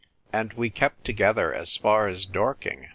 " And we kept together as far as Dorking."